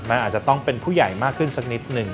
มันอาจจะต้องเป็นผู้ใหญ่มากขึ้นสักนิดหนึ่ง